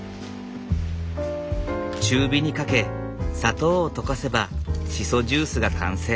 中火にかけ砂糖を溶かせばシソジュースが完成。